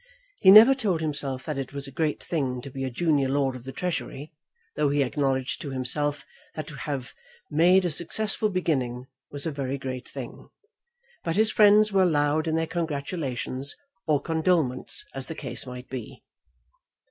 He never told himself that it was a great thing to be a junior lord of the Treasury, though he acknowledged to himself that to have made a successful beginning was a very great thing. But his friends were loud in their congratulations, or condolements as the case might be.